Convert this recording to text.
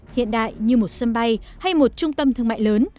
hiện đại như một sân bay hay một trung tâm thương mại lớn